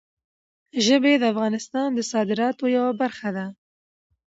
ژبې د افغانستان د صادراتو یوه برخه ده.